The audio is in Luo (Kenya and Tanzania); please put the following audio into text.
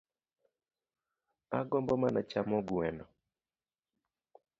Agombo mana chamo gweno